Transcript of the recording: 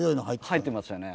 入ってましたよね。